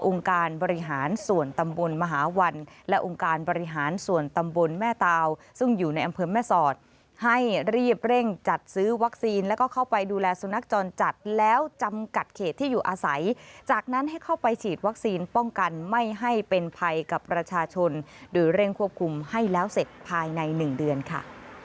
การบริหารส่วนตำบลมหาวันและองค์การบริหารส่วนตำบลแม่ตาวซึ่งอยู่ในอำเภอแม่สอดให้รีบเร่งจัดซื้อวัคซีนแล้วก็เข้าไปดูแลสุนัขจรจัดแล้วจำกัดเขตที่อยู่อาศัยจากนั้นให้เข้าไปฉีดวัคซีนป้องกันไม่ให้เป็นภัยกับประชาชนโดยเร่งควบคุมให้แล้วเสร็จภายใน๑เดือนค่ะ